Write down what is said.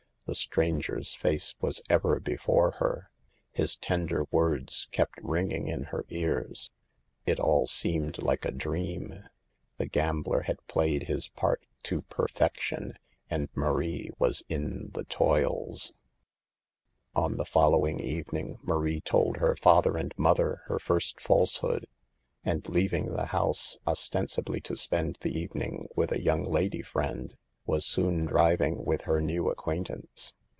The stranger's face was ever before her ; his tender words kept ringing in her ears ; it all seemed like a dream. The gambler had played his part to perfection, and Marie was in the toils. 68 SAVE THE GIRLS. On the following evening Marie told father and mother her first falsehood, and leaving the house, ostensibly to spend the evening with a young lady friend, was soon driving with her new acquaintance.